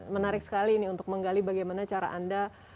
menarik sekali ini untuk menggali bagaimana cara anda